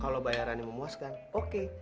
kalau bayarannya memuaskan oke